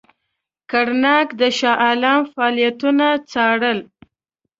کرناک د شاه عالم فعالیتونه څارل.